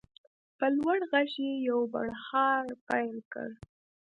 په لوړ غږ یې یو بړهار پیل کړ.